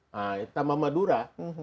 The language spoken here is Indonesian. nah tambah madura